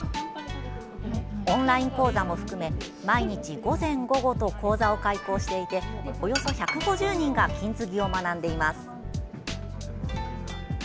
オンライン講座も含め、毎日午前午後と講座を開講していておよそ１５０人が金継ぎを学んでいます。